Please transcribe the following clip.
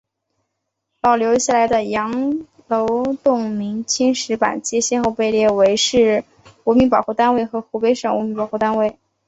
保留下来的羊楼洞明清石板街先后被列为市文物保护单位和湖北省文物保护单位。